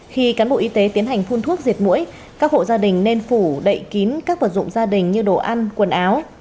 khi cán bộ y tế tiến hành phun thuốc diệt mũi các hộ gia đình nên phủ đậy kín các vật dụng gia đình như đồ ăn quần áo